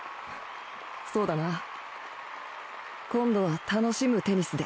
そうだな今度は楽しむテニスで。